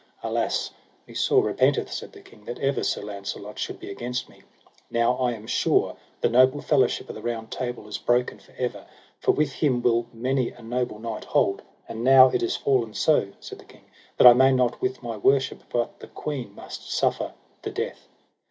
Alas, me sore repenteth, said the king, that ever Sir Launcelot should be against me. Now I am sure the noble fellowship of the Round Table is broken for ever, for with him will many a noble knight hold; and now it is fallen so, said the king, that I may not with my worship, but the queen must suffer the death.